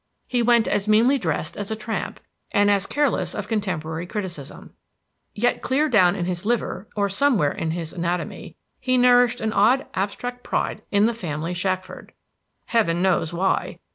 He went as meanly dressed as a tramp, and as careless of contemporary criticism; yet clear down in his liver, or somewhere in his anatomy, he nourished an odd abstract pride in the family Shackford. Heaven knows why!